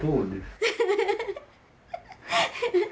ハハハハッ。